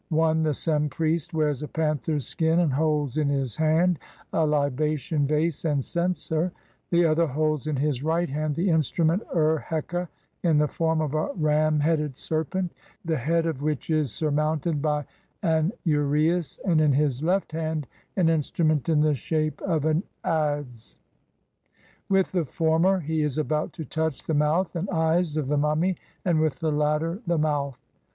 One, the Sem priest, wears a panther's skin and holds in his hand a liba tion vase and censer ; the other holds in his right hand the instrument UR HEKA r in the form of a ram headed serpent, the head of which is surmounted by an uraeus, and in his left hand an instrument in the shape of an adze r —,. With the former he is about to touch the mouth and eyes of the mummy, and with the latter the mouth.